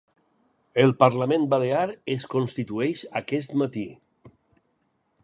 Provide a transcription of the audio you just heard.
El parlament balear es constitueix aquest matí.